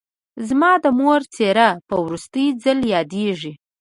زما د مور څېره په وروستي ځل یادېږي